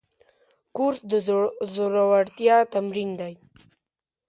کورس د زړورتیا تمرین دی.